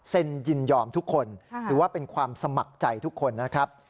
ยินยอมทุกคนถือว่าเป็นความสมัครใจทุกคนนะครับ